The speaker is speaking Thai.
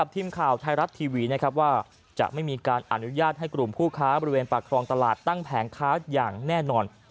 ทีมข่าวไทยรัฐทีวีว่าจะไม่มีการอนุญาตให้กลุ่มผู้ค้าบริเวณปากครองตลาดตั้งแผงค้าอย่างแน่นอน